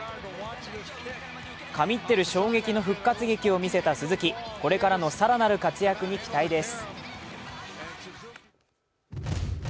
神ってる衝撃の復活劇を見せた鈴木、これからの更なる活躍に期待です。